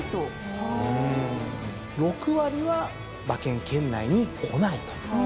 ６割は馬券圏内にこないと。